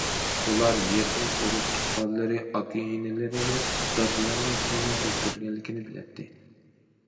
ئۇلار يېقىن ئۇرۇق- تۇغقانلىرىنى، ئاكا- ئىنىلىرىنى، دادىلىرىنى كىمنىڭ ئۆلتۈرگەنلىكىنى بىلەتتى.